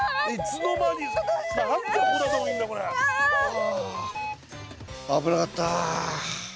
はあ危なかった。